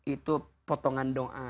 itu potongan doa